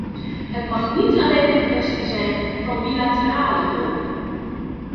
Het mag niet alleen een kwestie zijn van bilaterale hulp.